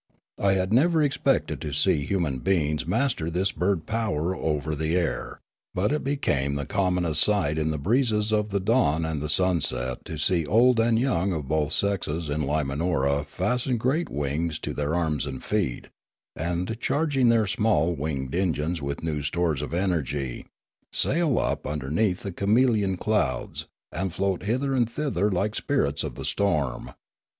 I had never expected to see human beings master this bird power over the air; but it became the commonest sight in the breezes of the dawn and the sunset to see old and young of both sexes in Limanora fasten great wings to their arms and feet, and, charging their small wing engines with new stores of energy, sail up underneath the chameleon clouds, and float hither and thither like spirits of the storm.